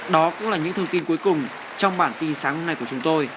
đó cũng là những thông tin cuối cùng trong bản tin sáng hôm nay của chúng tôi